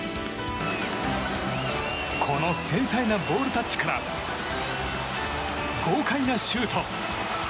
この繊細なボールタッチから豪快なシュート。